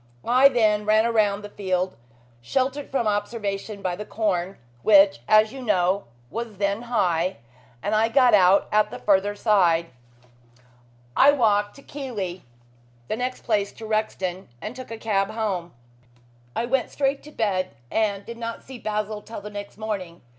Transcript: I then ran round the field, sheltered from observation by the corn, which, as you know, was then high, and I got out at the further side. I walked to Keighley, the next place to Rexton, and took a cab home. I went straight to bed, and did not see Basil till the next morning.